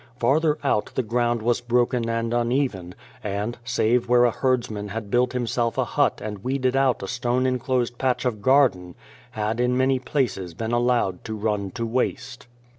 Farther out the ground was broken and uneven, and, save where a herdsman had built himself a hut and weeded out a stone enclosed patch of garden, had in many places been allowed to run to waste.